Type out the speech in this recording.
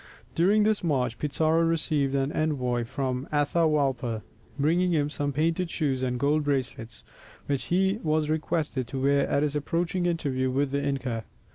During this march Pizarro received an envoy from Atahualpa bringing him some painted shoes and gold bracelets, which he was requested to wear at his approaching interview with the inca.